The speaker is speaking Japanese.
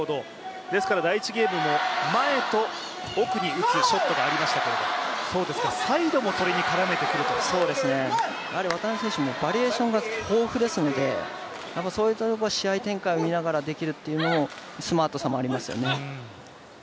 第１ゲームとも前と後ろに打ってくるショットがありましたけれども、渡辺選手、バリエーションが豊富ですのでそういったところは試合展開を見ながらできるというスマートさもありますよね。